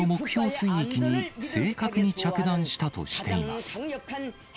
水域に正確に着弾したとしています。